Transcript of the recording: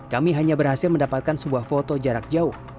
kami hanya berhasil mendapatkan sebuah foto jarak jauh